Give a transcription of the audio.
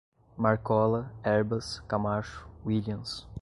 Marcola, Herbas, Camacho, Willians